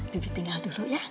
bibi tinggal dulu ya